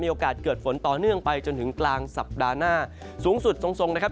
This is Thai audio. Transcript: โอกาสเกิดฝนต่อเนื่องไปจนถึงกลางสัปดาห์หน้าสูงสุดทรงนะครับ